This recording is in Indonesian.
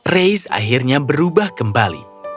reis akhirnya berubah kembali